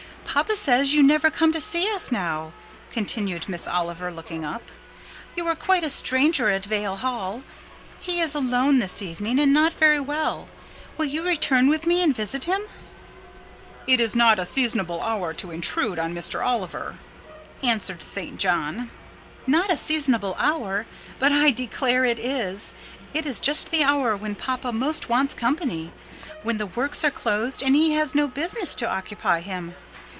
"Papa says you never come to see us now," continued Miss Oliver, looking up. "You are quite a stranger at Vale Hall. He is alone this evening, and not very well: will you return with me and visit him?" "It is not a seasonable hour to intrude on Mr. Oliver," answered St. John. "Not a seasonable hour! But I declare it is. It is just the hour when papa most wants company: when the works are closed and he has no business to occupy him.